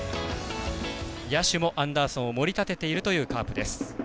野手もアンダーソンを盛り立てているというカープです。